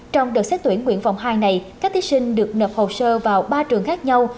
trong đợt xét tuyển nguyện vòng hai này các thí sinh được nộp hồ sơ vào ba trường khác nhau